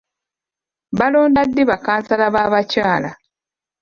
Balonda ddi ba kansala b'abakyala?